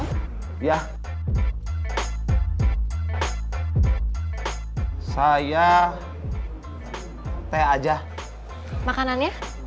kamu juga selamat jualan